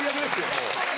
もう。